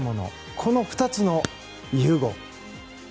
この２つの融合。